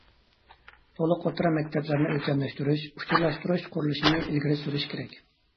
تولۇق ئوتتۇرا مەكتەپلەرنى ئۆلچەملەشتۈرۈش، ئۇچۇرلاشتۇرۇش قۇرۇلۇشىنى ئىلگىرى سۈرۈش كېرەك.